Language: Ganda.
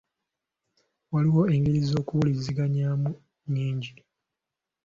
Waliwo engeri z'okuwuliziganyaamu nnyingi.